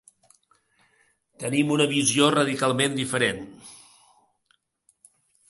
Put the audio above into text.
Tenim una visió radicalment diferent.